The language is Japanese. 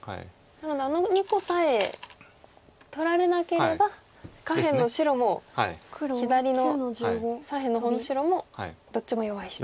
なのであの２個さえ取られなければ下辺の白も左の左辺の方の白もどっちも弱い石と。